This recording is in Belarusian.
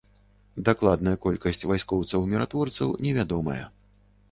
Дакладная колькасць вайскоўцаў-міратворцаў невядомая.